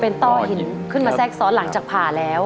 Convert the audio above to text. เป็นต้อหินขึ้นมาแทรกซ้อนหลังจากผ่าแล้ว